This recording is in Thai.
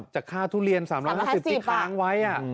จากค่าทุเรียน๓๕๐ที่ค้างไว้